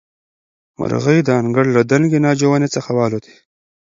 مرغۍ د انګړ له دنګې ناجو ونې څخه والوتې.